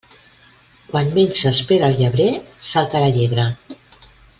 Quan menys s'espera el llebrer, salta la llebre.